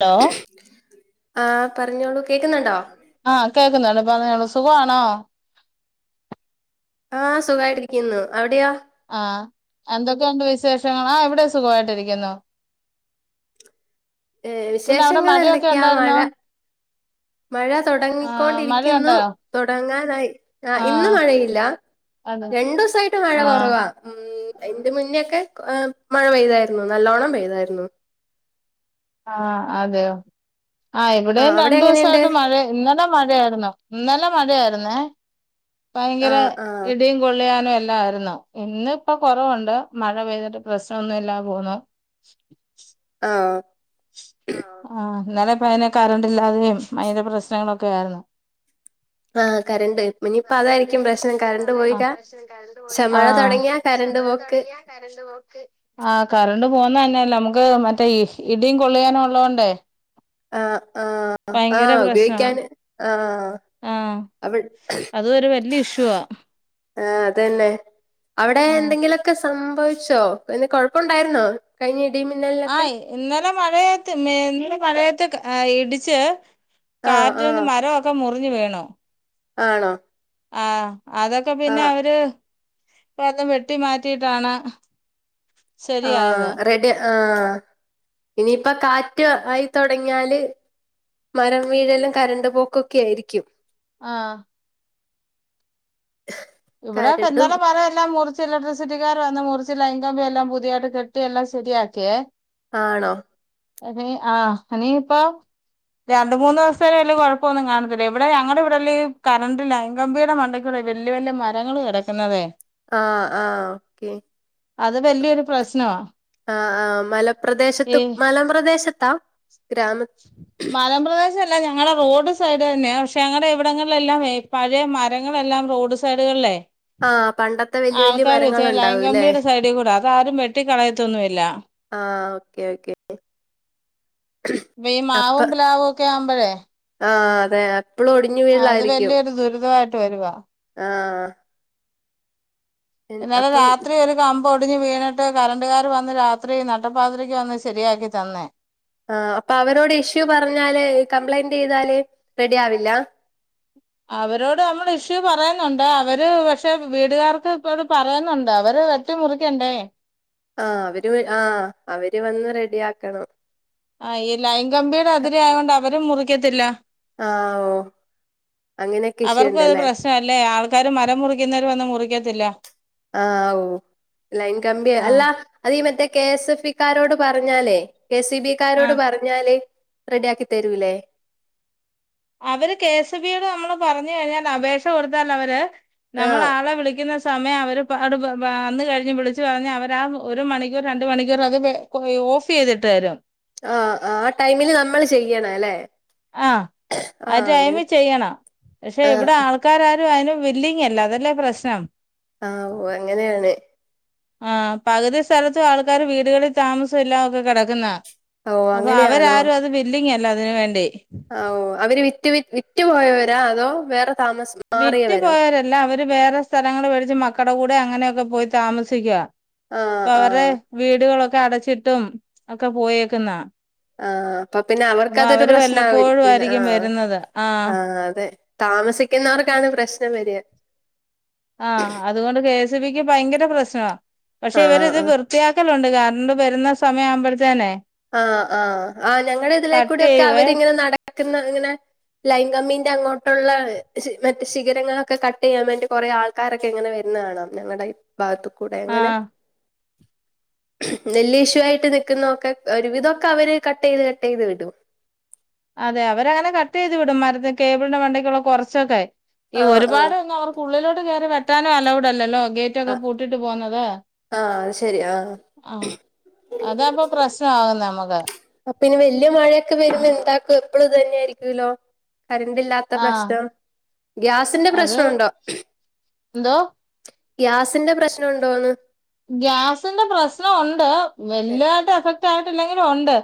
ഡാ ആഹ് പറഞ്ഞോളൂ കേക്കുന്നുണ്ടോ? ആഹ് കേൾക്കുന്നുണ്ട് പറഞ്ഞോളൂ സുഖവാണോ? ആഹ് സുഖായിട്ടരിക്കുന്നു എവിടെയൊ? ആഹ് എന്തൊക്കെയുണ്ട് വിശേഷങ്ങളാ ഇവിടെ സുഖവായിട്ടിരിക്കുന്നു. ഏഹ് പിന്നെ അവിടെ വിശേഷങ്ങൾ മഴയൊക്കെ എന്തൊക്കെയാ മഴ ഉണ്ടായിര്ന്നോ മഴ തൊടങ്ങിക്കൊണ്ടിരിക്കുന്നു. മഴയുണ്ടായോ തൊടങ്ങാനായി ആഹ് ഇന്ന് മഴയില്ല. അതെ രണ്ടുസായിട്ട് മഴ ആഹ് കൊറവാ. അ ഉം അയ്ന്റെ മുന്നെക്കെ ഏ മഴ പെയ്തായിരുന്നു നല്ലോണ്ണം പെയ്തായിരുന്നു. ആഹ് അതെയോ ആഹ് ഇവിടെം അവിടെ എങ്ങനെയുണ്ട് രണ്ടുസായിട്ട് മഴെ ഇന്നലെ മഴയായിരുന്നു ഇന്നലെ മഴയായിരുന്നേ ഭയങ്കര ആഹ് ആഹ് ഇടിം.. കൊള്ളിയാനു എല്ലാ ആയിരുന്നു ഇന്ന് പ്പോ കൊറവുണ്ട് മഴ പെയ്തിട്ട് പ്രശ്നൊന്നുല്ല പോന്നു. [inaudible] ആഹ് ആഹ് ആഹ് ഇന്നലെ പ്പ അയ്ന് കറണ്ട് ഇല്ലാതെയും അയ്ന്റെ പ്രശ്നങ്ങളൊക്കെ ആയിരുന്നു [inaudible] ആഹ് കരണ്ട് പ്പ ഇനിയിപ്പ അതായിരിക്കും പ്രശ്നം കരണ്ട് പോയിക്ക ക്ഷെ മഴ തൊടങ്ങിയാ കരണ്ട് പോക്ക്. കരണ്ട് പോക്ക് ആ കരണ്ട് പോന്നെത് തന്നെയല്ല നമുക്ക് മറ്റേ ഇഹ് ഇടിയും കൊള്ളിയാനു ഒള്ളോണ്ട്. ആഹ് ആഹ് ആഹ് ഉപയോയ്ക്കാന് ആഹ് ആഹ് അവി അത് ഒരുരു വല്യ ഇഷ്യൂവാ ആഹ് അതെന്നെ അവിടെ ആ എന്തെങ്കിലൊക്കെ സംഭവിച്ചോ പിന്നെ കൊഴപ്പൊണ്ടായിരുന്നോ? കഴിഞ്ഞ ഇടീം ആ മിന്നൽനൊക്കെ ഇന്നലെ മഴയത്ത് മെ ഇന്ന് മഴയത്തൊക്ക് ഏ ഇടിച്ച് ആഹ് കാറ്റിന്ന് ആഹ് മരവൊ ക്ക മുറിഞ്ഞ് വീണു. ആണോ ആഹ് അതൊക്കെ ആഹ് പിന്നവര് വന്ന് വെട്ടി മാറ്റിട്ടാണ്. ആഹ് റെഡി ആഹ് ഇനിയിപ്പൊ കാറ്റ് ആയി തൊടങ്ങിയാല്. മരം വീഴലും കരണ്ട് പോക്കൊക്കെ ആയിരിക്കും. ആഹ് ഇവടെക്കെ കരണ്ടും ഇന്നലെ മര എല്ലാം മുറി ചില ഇലക്ട്രിക് സിറ്റിക്കാർ വന്ന് മുറിച്ചിലൈങ്കമ്പി എല്ലാം പുതിയാതയിട്ട് കെട്ടി എല്ലാം ശരിയാക്കിയ. ആണോ? അ ആ നീ ഇപ്പൊ രണ്ട് മൂന്ന് ദിവസ വല്ലും കുഴപ്പമൊന്നും കാണത്തില്ല ഇവിടെ ഞടെ ഇവിടെല്ല കറണ്ട് ലൈൻ കമ്പിയുടെ മ വലയ വല് മരങ്ങള് കിടക്കുന്നതെ ആഹ് ആഹ് ഓക്കെ അത് വലിയൊരു പ്രശ്നമാണ് ആഹ് ആഹ് മലപ്രദേശത്ത് മലപ്രദേശത്താ ഗ്രാമ [unintelligible] മരംപ്രദേശ അല്ല ഞങ്ങളുടെ റോഡ് സൈഡ് തന്നെയ പക്ഷെ ഞങ്ങളുടെ ഇവിടങ്ങളിലെല്ലാം പഴയ മരങ്ങളെല്ലാം റോഡ് സൈഡുകളല്ലേ ആഹ് പണ്ടത്തെ വല്യ വല്യ ആൾക്കാര് വെച്ച മരങ്ങളുണ്ടാവൂല്ലേ ലൈൻങ്കമ്പിയുടെ സൈഡിൽ കൂടെ അത ആരും വെട്ടിക്കളയത്തൊന്നു ഇല്ല ആഹ ഓക്കെ ഓക്കെ ഈ മാവും പ്ലാവ ഒക്കെ ആവുമ്പോഴേ ആഹ അതെ അപ്പളും ഓടി ആ അത് വലിയൊരു ദുരിതമായിട്ട് വരുവാ ആഹ് ഇന്നലെ അപ്പം രാത്രി ഒരു ടിഞ്ഞ് വീണിട്ട് കറണ്ടുകാർ വന്ന് രാത്രി നട്ടപ്പാത്രക്ക് വന്ന് ശരിയാക്കി തന്നേ ആഹ് അപ്പൊ അവരോട് ഇഷ്യൂ പറഞ്ഞാല് കംപ്ലൈന്റ് ചെയ്താല് റെഡി ആവില്ല അവരോട് നമ്മള് ഇഷ്യൂ പറയുന്നുണ്ട് അവര് പക്ഷെ വീടുകാർക്ക് ഇപ്പോട് പറയുന്നുണ്ട് അവര് വെട്ടി മുറിക്കണ്ടേ ആഹ് അവര് ആഹ് അവര് വന്ന് റെഡി ആക്കണം ആഹ് ഈ ലൈൻ കമ്പിയുടെ അതിര ആയ കൊണ്ട് അവരും മുറിക്കത്തില്ല ആഹ് ഓ അങ്ങനെയൊക്കെ ഇഷ്യൂ യുണ്ടല്ലേ അല്ലേ ആൾക്കാര് മരം മുറിക്കുന്നവർ വന്ന മുറിക്കത്തില്ല ആഹ ഓ ലൈൻകമ്പി അല്ല ആഹ് അത മറ്റേ കെ എസ് എഫ് ഇക്കാരോട് പറഞ്ഞാലേ കെ സി ബിക്കാരോട് ആഹ് പറഞ്ഞ ഞാല് റെഡി ആക്കി തരൂല്ലേ അവര് കെ എസ് ബിയോട് നമ്മള് പറഞ്ഞു കഴിഞ്ഞാൽ അപേക്ഷ കൊടുത്താൽ അവര് ആ നമ്മള ആളെ വിളിക്കുന്ന സമയം അവര്ട് വന്ന കഴിഞ്ഞ് വിളിച്ച് പറഞ്ഞ് അവരാ ആ ഒരു മണിക്കൂർ രണ്ട മണിക്കൂർ അത് ഓഫ് ചെയ്തിട്ടരം ആഹ് ആഹ് ടൈമില് നമ്മൾ ചെയ്യണം അല്ലേ ആഹ് അ ടൈം ചെയ്യണം പക്ഷെ ആ ഇവിടെ ആൾ ആൾക്കാരാരും അതിനും വില്ലിങ്ങ അല്ല അതല്ലേ പ്രശ്നം ആഹ് ഓ അങ്ങനെയാണ് ആഹ് പകുതി സ്ഥലത്തും ആൾക്കാര് വീടുകളിൽ താമസം എല്ലാം ഒക്കെ കിടക്കുന്നാ ഓ അപ്പൊ അങ്ങനെയാണോ അവരാരും അത് വില്ലിങ്ങല്ലോ അതിന് വേണ്ടി ആഹ് അവര് വിറ്റ് വി വിറ്റ്പോയവരാ അതോ വേറെ താമസം വിറ്റ് പോയവരല്ല അവര് വേറെ സ്ഥലങ്ങള്ൾ മേടിച്ച് മക്കട കൂടെ അങ്ങനെയൊക്കെ പോയി താമസിക്കുക ആഹ് അപ്പ അവരുടെ ആഹ് വീടുകളൊക്കെ അടച്ചിട്ടും ഒക്കെ പോയേക്കുന്നാ ആഹ അപ്പൊ പിന്നെ അവർക്ക് അപ്പൊ അതൊരു അവര് പ്രശ്ന വല്ലപ്പോഴും ആരിക്കൂല്ല ആയിരിക്കും ആഹ വരുന്നത് ആഹ് ആഹ അതെ താമസിക്കുന്നവർക്കാണ് പ്രശ്നം വരിക ആഹ് അതുകൊണ്ട് കെ എസ്ി ബിക്ക് ഭയങ്കര പ്രശ്നമാണ് പക്ഷെ ആഹ് ഇവരി ഇത് ആഹ് വ ത്തിയാക്കലുണ്ട് കാരണംണ്ട് വരുന്ന സമയം ആവുമ്പോഴത്തേനെ ആഹ് ആഹ് ആ് ഞങ്ങള കട്ട് ഇതിലേക്കൂടി ഒക്കെ ചെയ്യുവേ അവരിങ്ങനെ നടക്കുന്ന ഇങ്ങനെ ലൈങ്കമ്മിന്റെ അങ്ങോട്ടുള്ള മറ്റ ശിഖരങ്ങളൊക്കെ കട്ട് ചെയ്യാൻ വേണ്ടി കുറെ ആൾ ആക്കാരൊക്കെ എങ്ങനെ വരുന്ന കാണാം ഞങ്ങളുടെ ഭാഗത്ത കൂടെ അങ്ങനെ ആഹ് നെല്ലിഷു ആയിട്ട് നിക്കുന്നൊക്കെ ഒരുവിധതൊക്കെ അവര് കട്ട് ചെയ്ത് കട്ട് ചെയ്ത് വിടും അതെ അവരങ്ങനെ കട്ടെയ്ത് വിടും മരത്തി കേബിളിന്റെ മണ്ടയ്ക്കുള്ള കൊറച്ചൊക്കേ ഈ ആഹ് ഒരുപാട്ന്നു അവർ ക്കുള്ളിലോട്ട് കേറി വെട്ടാനും അലൗഡ് അല്ലല്ലോ ഗേറ്റ് റ്റൊക്കെ ആഹ് പൂട്ടിട്ട് പോന്നത് ആഹ് അത് ശരി ആഹ് ആഹ് അതാപ്പൊ പ്രശ്നാകുന്ന നമ്മക്ക് അപ്പിനി വല്യ മഴയൊക്കെ വരുമ്പോ എന്താക്കും എപ്പളും ഇത് തന്നെയായിരിക്കൂലോ കരണ്ടില്ലാത്ത ആ പ്രശ്നം, ഗ്യാസിന്റെ അത് പ്രശ്നവുണ്ടോ എന്തോ ഗ്യാസിന്റെ പ്രശ്ന ഉണ്ടോന്ന് ഗ്യാസിന്റെ പ്രശ്ന ഉണ്ട്, വല്യതായിട്ട് എഫക്റ്റായിട്ടില്ലെങ്കിലും ഉണ്ട്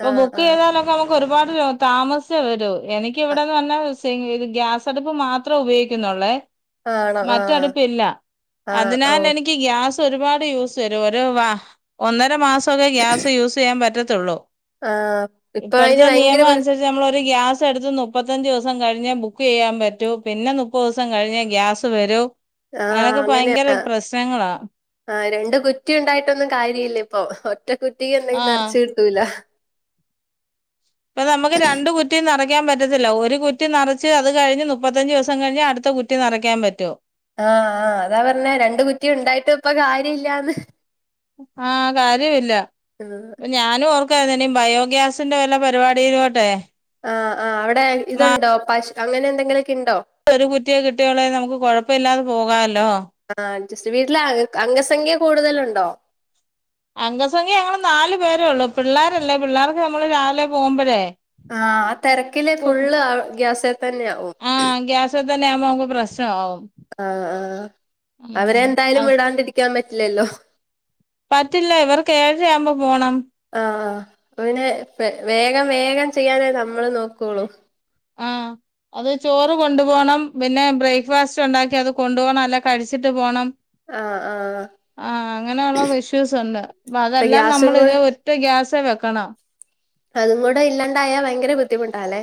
പ്പൊ ആഹ് ബുക്ക് ചെയ്താലൊക്കെ നമുക്ക് ഒരുപാട് താമസിച്ചേ വരൂ എനിക്ക് ആഹ് ഇവിടെന്ന് പർഞ്ഞാ- ചെങ്കില് ഗ്യാസടുപ്പ് മാത്രേ ഉപയോഗിക്കുന്നുള്ളേ ആണോ ആഹ് മറ്റടുപ്പില്ല ആഹ് ഓ അതിനാലെനിക്ക് ക്ക്‌ ഗ്യാസൊരുപാട് യൂസ് വരും. ഒര് മാ ഒന്നര മാസ് സൊക്കെ ഗ്യാസ് യൂസെയ്യാൻ പറ്റത്തുള്ളൂ. ആഹ് ഇപ്പൊ അയിന് ഇപ്പഴത്തെ ഭയങ്കര ബു നിയമമനുസ നമ്മളൊരു ഗ്യാസെടുത്ത് നുപ്പത്തഞ്ച് ദിവസം കഴിഞ്ഞെ ബുക്കെയ്യാൻ പറ്റൂ പിന്നെ നുപ്പദിവസം കഴിഞ്ഞേ ഗ്യാ സ് വരൂ, ആഹ് അങ്ങനൊക്കെ ഭയങ്കര പ്രശ്നങ്ങളാ ആ രണ്ട് കുറ്റി ഉണ്ടായിട്ടൊന്നും കാര്യല്ല ഇപ്പൊ ഒറ്റ കുറ്റിക്ക് ആ എന്തെങ്കിലും നെർച്ച് കിട്ടൂല പ്പ നമ്മക്ക് രണ്ട് കുറ്റിയും നെറ ക്കാൻ പറ്റത്തില്ല ഒരു കുറ്റി നറച്ച് അത് കഴിഞ്ഞ് മുപ്പത്തഞ്ച് ദിവസം കഴിഞ്ഞേ അടുത്ത കുറ്റി നിറയ്ക്കാൻ പറ്റു ആഹ് ആഹ് അതാ പർഞ്ഞേ രണ്ട് കുറ്റി ഉണ്ടായിട്ടു പ്പൊ കാര്യ ഇല്ലാന്ന് ആഹ് കാര്യവില്ല ഞാനും ഓർക്കുവായിരുന്നു ഇനി ബയോഗ്യാസിന്റെ വല്ല പരിപാടിയിലോട്ടെ ആഹ് ആഹ് അവിടെ ഇതുണ്ടോ പശ് അങ്ങനെ എന്തെങ്കിലൊക്കിണ്ടോ ഒരു കുറ്റിയെ കിട്ടിയോളെ നമുക്ക് കൊഴപ്പ ഇില്ലാതെ പോകാല്ലോ ആഹ് ജസ്റ്റ് വീട്ടിലെ അംഗസംഖ്യ കൂടുതല്ണ്ടോ അംഗസംഖ്യ ഞങ്ങള് നാലു പേരേ ഉള്ളു പിള്ളേരല്ലേ പിള്ളേർക്ക് നമ്മള് രാവിലെ പോകുമ്പഴേ ആഹ് ആ തിരക്കില് ഫുള്ള് ഗ്യാസേ തന്നെ ആവും ആഹ് ഗ്യാസേ തന്നെ ആവുമ്പോ നമുക്ക് പ്രശ്നാവും ആഹ് ആഹ് അവരെ എന്തായാലും വിടാണ്ടിരിക്കാൻ പറ്റില്ലല്ലോ പറ്റില്ല ഇവർക്കേഴരയാവുമ്പോ പോണം ആഹ് അപ്പോ പിന്നെ വേഗം വേഗം ചെയ്യാനേ നമ്മള് നോകൊള്ളു ആഹ് അത് ചോറ് കൊണ്ടുപോണം, പിന്നെ ബ്രേക്ക്ഫാസ്റ്റ് ഉണ്ടാക്കി അത് കൊണ്ടുപോണം അല്ല കഴിച്ചിട്ട് പോണം ആഹ് ആഹ് ആഹ് അങ്ങനൊള്ള വിഷ്യൂസ് ഉണ്ട്, പ്പ ഇപ്പൊ അതെല്ലാം ഗ്യാസും കൂടെ നമ്മള്തിനെ ട്ടു ഗ്യാസേ വെക്കണം അതും കൂടെ ഇല്ലാണ്ടായാ വയങ്കര ബുദ്ധിമുട്ടാല്ലേ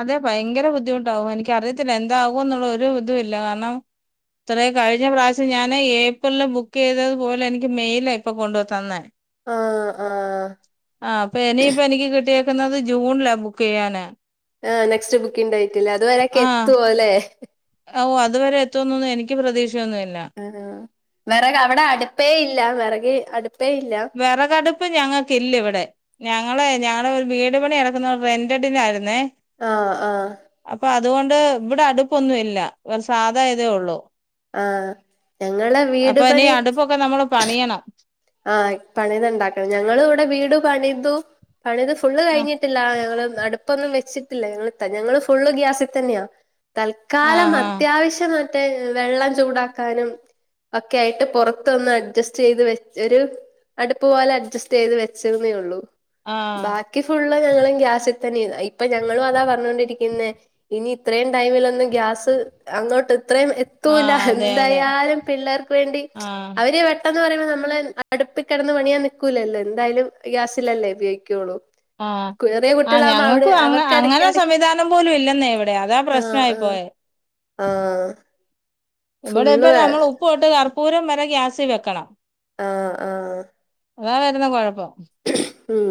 അതെ പയങ്കര ബുദ്ധിമുട്ടാവും. എനിക്കറിയത്തില്ല എന്താവുഎന്നുള്ള ഒരുതുല്ല കാരണം ത്രേ കഴിഞ്ഞ പ്രാവശ്യം ഞാന് ഏപ്രിൽല് ബുക്കെയ്തത് പോലെ എനിക്ക് മെയ്‌ല ഇപ്പൊ കൊണ്ടു തന്നെ ആഹ് ആഹ് ആജോലി അപ്പൊനി പ്പെനിക്ക് കിട്ടിയേക്കുന്നത് ജൂൺല ബുക്കെയ്യാന് ആ നെക്സ്റ്റ് ബുക്കിങ് ഡേറ്റല്ലേ.. അത് വരൊക്കെ എത്തുവോ ല്ലേ ഓഹ് അത് വരെ എത്ത്വൊന്നൊന്നും എനിക്ക് പ്രതീക്ഷയൊന്നുല്ല ഉം വെറകവിടെ അടുപ്പേ ഇല്ല വെറകി അടുപ്പേ ഇല്ല വെറകടുപ്പ് ഞങ്ങക്കില്ല ഇവിടെ ഞങ്ങള് ഞങ്ങള് ഒരു വീട് പണി എടക്കുന്ന റെന്റഡിനായിരുന്നേ ആഹ് ആഹ് അപ്പതുകൊണ്ട് ഇവിടെ അടുപ്പൊന്നും ഇല്ല സാധായ തേ ഉള്ളൂ ആഹ്, ഞങ്ങളെ വീട് പണി ഇപ്പ നമ്മള് പണിയണം. ആഹ് ഇപ്പ അങ്ങനെ ഇണ്ടാക്കണം. ഞങ്ങള് ഇവിടെ വീട് പണിതു പണിത് ഫുള്ള് ആഹ് കഴിഞ്ഞിട്ടില്ല ഞങ്ങള് അടുപ്പൊന്നും വെച്ചിട്ടില്ല. ഞങ്ങള് ഞങ്ങള് ഫുള്ള് ഗ്യാസിൽ തന്നെയാ തൽക്കാലം ആഹ് അത്യാവശ്യ യിട്ട് വെള്ളം ചൂടാക്കാനും ഒക്കെ ആയിട്ട് പൊറത്തൊന്ന് അഡ്ജസ്റ്റ് ചെയ്ത് വെ ച്ച് ഒരു അടുപ്പ് പോലെ അഡ്ജ്സ്റ്റ് ചെയ്ത് വെച്ചെന്നേ ഒള്ളൂ ബാ ആഹ് ബാക്കി ഫുള്ള് ഞങ്ങൾ ഗ്യാസിൽ തന്നെയാ ഇപ്പ ഞങ്ങളും അതാ പറഞ്ഞോണ്ടിരിക്ക്ന്നേ ഇനി ഇത്രയും ടൈമിൽ ഒന്ന് ഗ്യാസ് അങ്ങോട്ട് ഇത്രയും എ ത്തൂല ആഹ് അതെ അതെ എന്തായാലും പിള്ളേർക്ക് വേണ്ടി ആഹ് അവര് പെട്ടന്ന് പറയുമ്പ നമ്മള് അപ്പ അടുപ്പ് കെടന്ന് പണിയാൻ നിക്കൂലല്ലോ, എന്തായാലും ഗ്യാസിലല്ലേ ഉപയോഗിക്കുള്ളൂ. ആഹ്, ചെറിയ ആ കുട്ടികളാകുമ്പോ അവിടെ ഞങ്ങക്കു അങ്ങ അവർക്ക് അങ്ങനെ ഇടയ്ക്കിടക്ക് സംവിധാനം പോലും ഇല്ലെന്ന ഇവിടെ അതാ ആഹ് പ്രശ്നായി ആഹ് പോയെ. ആഹ് ഇവിടെ ഫുള്ള് ഇപ്പ നമ്മള് ഉപ്പ്തൊട്ട് കർപ്പൂരം വരെ ഗ്യാസി വെക്കണം. ആഹ്, ആഹ് അതാ വരുന്ന കൊഴപ്പം. ഉം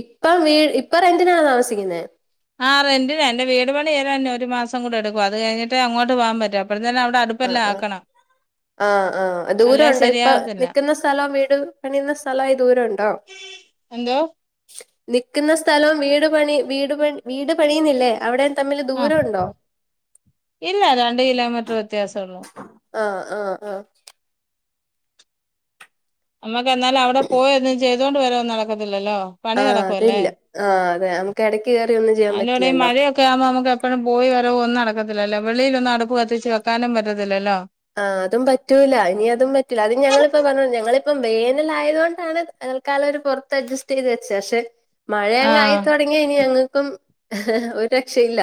ഇപ്പ വീ ഇപ്പൊ റെന്റിനാണോ താമസിക്കുന്നെ? ആ റെന്റിന്, എന്റെ വീട് പണി ഏതാഞ്ഞ് ഒരു മാസം കൂടെ എടുക്കും. അത് കഴിഞ്ഞട്ട് അങ്ങോട്ട് പോവാൻ പറ്റു, അപ്പഴത്തിന് അവിടെ അടു പ്പ് എല്ലാ ആഹ് ആഹ് ആക്കണം. ആഹ്, ആഹ് അല്ലേ ദൂരോണ്ടോ ഇപ്പൊ ശരിയാകത്തില്ല നിക്കുന്ന സ്ഥലം വീട് പണിയുന്ന സ്ഥല ആയി ദൂരോണ്ടോ? എന്തോ? നിക്ക്ന്ന സ്ഥലം വീട് പണി വീട് പണ് വീട് പണിയുന്നില്ലേ അവിടെ ആഹ്, ഇല്ല രണ്ട് കിലോമീറ്റർ വ്യത്യാസ ഒള്ളൂ. ആഹ്, ആഹ്, ആഹ്. നമ്മക്ക് എന്നാലു അവിടെ പോയി എന്തേം ചെയ്തുകൊണ്ട് വരവ് നടക്കത്തില്ലല്ലോ. പണി ആഹ്, നടക്കുമല്ലേ അതില്ല ആ അതെ നമുക്ക് എടക്ക് കേറി ഒന്നും ചെയ്യാൻ പറ്റില്ലല്ലോ. ഒക്കെ ആവുമ്പോ നമുക്ക് എപ്പഴും പോയി വരവും ഒന്നും നടക്കത്തില്ലല്ലോ, വെളിയിൽ ഒന്നും അടുപ്പ് കത്തിച്ച് വെക്കാനും പറ്റത്തില്ലല്ലോ. ആ അതും പറ്റൂല ഇനി അതും പറ്റൂല അത് ഞങ്ങളിപ്പ പറഞ്ഞ ഞങ്ങളിപ്പം വേനലായ തോണ്ടാണ് തൽക്കാലം ഒരു പൊറത്ത് അഡ്ജസ്റ്റ് ചെയ്ത് വെച്ചേ പക്ഷെ, മഴ ആ എങ്ങ ആയിതൊടങ്ങിയ ഇനി ഞങ്ങക്കും ഹ്, ഹ് ഒരു രക്ഷയില്ല.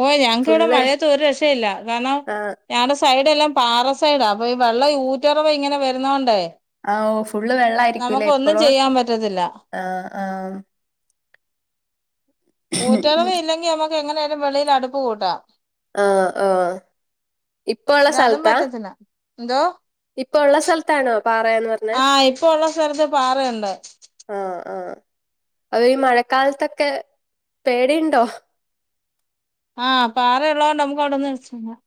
ഓഹ്, ഞങ്ങക്ക് ഇവിടെ ഫുള്ള് മഴയത്ത് ഒരു രക്ഷയില്ല കാരണം. ആഹ് ഞങ്ങളുടെ സൈഡ എല്ലാം പാറ സൈഡാ അപ്പൊ ഈ വെള്ളം ഊറ്ററവ ഇങ്ങനെ വരുന്നോണ്ടേ. ആ ഓഹ് ഫുള്ള് വെള്ളായിരിക്കൂലേ നമുക്ക് ഒന്നും എപ്പളും ചെയ്യാൻ പറ്റത്തില്ല ആഹ്, ആഹ്. ഊറ്ററവ ഇല്ലെങ്കിൽ നമുക്ക് എങ്ങനെയാലും വെളിയിൽ അടുപ്പ് കൂട്ടാം. ആഹ്, ആഹ് ഇപ്പ ഒള്ള ഇത് അതും സ്ഥലത്താ? പറ്റത്തില്ല എന്തോ ഇപ്പൊ ഉള്ള സ്ഥലത്താണോ പാറെ എന്ന് പർ ആ ഇപ്പൊ ഉള്ള സ്ഥലത്ത് പാറ ഉണ്ട്. ആഹ്, ആഹ് അത് ഈ മഴക്കാലത്തൊക്കെ പേടി ഇണ്ടോ? ആ പാറ ഇള്ളോണ്ട് നമുക്ക് അവിടെ [unintelligible]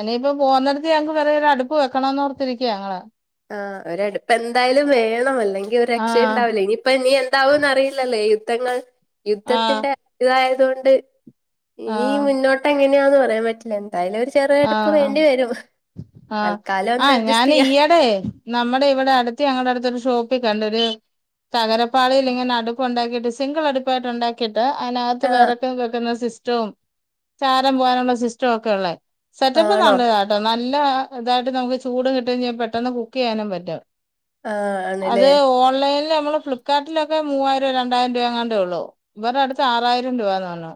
ഇനിയിപ്പൊ പോവന്നിടത്ത് ഞങ്ങക്ക് വേറെ ഒരു അടുപ്പ് വെക്കണംന്ന് ഓർത്തിരിക്കയാ ഞങ്ങള്. ആഹ്, ഒര് അടുപ്പ് എന്തായാലും വേണം. അല്ലെങ്കിൽ ഒരു രക്ഷയും ആഹ് ഇണ്ടാവില്ല ഇനി ഇപ്പ ഇനി എന്താവുന്ന് അറിയില്ലല്ലേ യുദ്ധങ്ങൾ, ആഹ് യുദ്ധത്തിന്റെ ഇത് ആയതോണ്ട് ഇനി ഈ ആഹ് മുന്നോട്ട് എങ്ങനെയാന്ന് പറയാൻ പറ്റില്ല. എന്തായാലും ഒരു ചെറിയ അടുപ്പ് ആഹ് വേണ്ടി വരും തൽക്കാലം ഒന്ന് അഡ്ജസ്റ്റ് ചെയ്യാൻ. എടെയ്. നമ്മടെ ഇവിടെ അടുത്ത് ഞങ്ങളുടെ അടുത്തൊരു ഷോപ് ക്കണ്ടോഒരു തകരപ്പാളയി ഇങ്ങന അടുപ് ഉണ്ടാക്കിട്ട് സിംഗിൾ അടുപ്പായിട്ട്ണ്ടാ ട്ട് അതിനകത്ത് ആഹ് വിറക് വെക്കുന്ന സിസ്റ്റവും ചാരം പോകാനുള്ള സിസ്റ്റവും ഒക്കെ ഉള്ളേ സെറ്റപ്പ് ആണോ നല്ലതാ കേട്ടോ നല്ല ഇതായിട്ട് നമുക്ക് ചൂട് കിട്ടുംചെയ്യും പെട്ടെന്ന് കുക്ക് ചെയ്യാനും പറ്റും. ആഹ് അത് ആണല്ലേ ഓൺലൈൻ നമ്മള് ഫ്ലിപ്കാർട്ടിലൊക്കെ മൂവായിരം രണ്ടായിരം രൂപ അങ്ങാണ്ടേ ഉള്ളൂ ഇവരെ ടുത്ത് ആറായിരം രൂപന്ന് പറഞ്ഞു.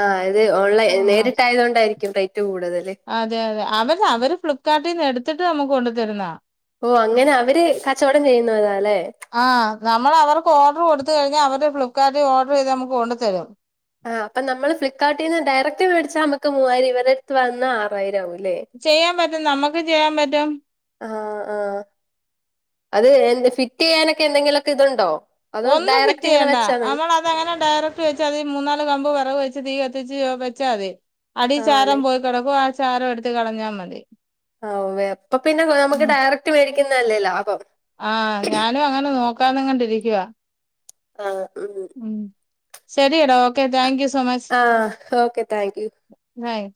ആഹ് അത് ഓൺ ലൈൻ നേരിട്ടായതത് കൊണ്ടായിരിക്കും റേറ്റ് കൂടുതല്. അതെ അതെ അവര് അവര് ഫ്ലിപ്കാർട്ടിൽ നിന്ന് എടുത്തിട്ട് നമ്മുക്ക് കൊണ്ടു തരുന്നതാ. ഓ അങ്ങനെ അവര് കച്ചവടം ചെയ്യുന്നതാല്ലേ ആഹ് നമ്മള അവർക്ക് ഓർഡർ കൊടുത്ത കഴിഞ്ഞാ അവര് ഫ്ളിപ്കാർട്ടിൽ ഓഡർ ചെയ്ത് നമുക്ക് കൊണ്ടു തരും ആഹ് അപ്പ നമ്മള് ഫ്ലിപ്കാർട്ടിൽ നിന്ന് ഡയറക്റ്റ് മേടിച്ചൽ നമ്മക്ക് മൂവായിരം ഇവരെടുത്ത് വന്നാൽ ആറായിരം ആവൂല്ലേ ചെയ്യാം പറ്റും നമ്മുക്ക് ചെയ്യാം പറ്റും ആഹ് ആഹ് അത് എ ഫിറ്റ് ചെയ്യാനൊക്കെ എന്തെങ്കിലൊക്കെ ഇതുണ്ടോ അതോ ഒന്നും ഫിറ്റ് ഡയറക്റ്റ് ഇങ്ങനെ ചെയ്യണ്ട വെച്ചാ മതി നമ്മളാ അങ്ങനെ ഡയറക്ട് വെച്ച് അതി മൂന്നാല് കമ്പ് വെറക് വെച്ച് തീ കത്തിച്ച് വെച്ചാ മതി അടി ആ ചാരം ആണ് പോയി കെടക്കും ആ ചാരം എടുത്ത് കളഞ്ഞാ മതി ആവേ അപ്പൊ പിന്നെ നമുക്ക് ഡയറക്റ്റ് മേടിക്കുന്നതല്ലേ ലാഭം ആ ഞാനും അങ്ങനെ നോക്കാനങ്ങണ്ടിരിക്കുവാ ആഹ് ഉം ഉം ശരിയെടാ okay thank you so much ah okay thank you hi